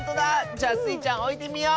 じゃあスイちゃんおいてみよう！